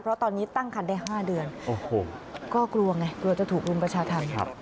เพราะตอนนี้ตั้งคันได้๕เดือนก็กลัวไงกลัวจะถูกรุมประชาธรรม